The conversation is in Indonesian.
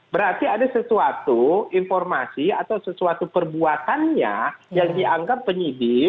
berarti ada sesuatu informasi atau sesuatu perbuatannya yang dianggap penyidik